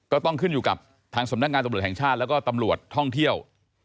ก็ต้องขึ้นอยู่กับทางสำนักงานตำรวจแห่งชาติแล้วก็ตำรวจท่องเที่ยว